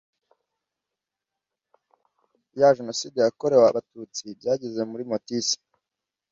ya jenoside yakorewe abatutsi byagenze muri motise